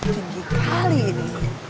tinggi kali ini